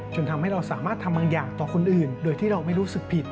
จนทำให้เราสามารถทำบางอย่างต่อคนอื่นโดยที่เราไม่รู้สึกผิด